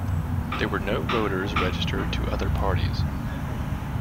There were no voters registered to other parties.